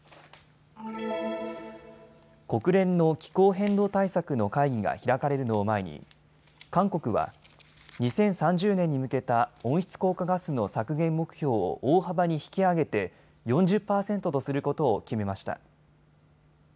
国連の気候変動対策の会議が開かれるのを前に韓国は２０３０年に向けた温室効果ガスの削減目標を大幅に引き上げて４０％とすることを決めました。